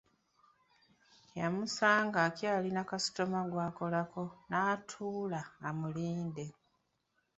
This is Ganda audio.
Yamusanga akyalina kasitoma gw'akolako, n'atuula amulindde.